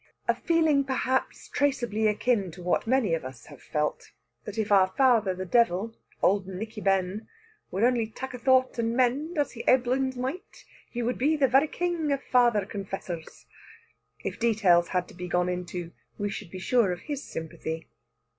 A feeling perhaps traceably akin to what many of us have felt, that if our father the devil "auld Nickie Ben" would only tak' a thought and mend, as he aiblins might, he would be the very king of father confessors. If details had to be gone into, we should be sure of his sympathy.